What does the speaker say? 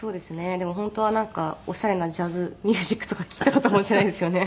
でも本当はなんかオシャレなジャズミュージックとか聴きたかったかもしれないですよね。